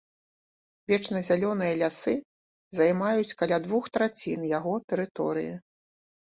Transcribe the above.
Вечназялёныя лясы займаюць каля двух трацін яго тэрыторыі.